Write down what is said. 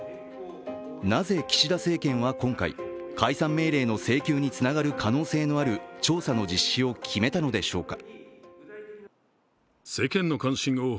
なぜ岸田政権は今回、解散命令の請求につながる可能性のある調査の実施を決めたのでしょうか。